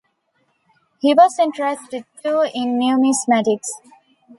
He was interested too in numismatics.